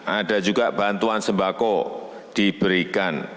ada juga bantuan sembako diberikan